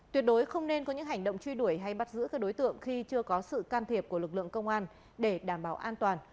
tuyệt đối không nên có những hành động truy đuổi hay bắt giữ các đối tượng khi chưa có sự can thiệp của lực lượng công an để đảm bảo an toàn